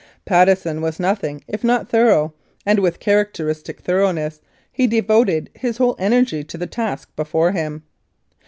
Patteson was nothing if not thorough, and with characteristic thoroughness he devoted his whole energy to the task before him.